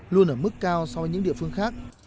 luôn ở mức cao so với những địa phương khác